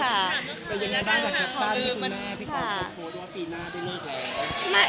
แต่อย่างนี้ได้จากแคปชั่นที่คุณหน้าพี่ป๊อกบอกว่าปีหน้าได้เริ่มแล้ว